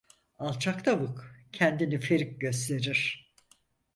Alçak tavuk kendini ferik gösterir.